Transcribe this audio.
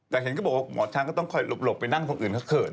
แต่เห็นก็บอกว่าหมอช้างก็ต้องคอยหลบไปนั่งตรงอื่นเขาเขิน